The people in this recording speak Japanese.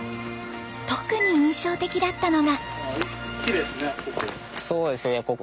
特に印象的だったのが。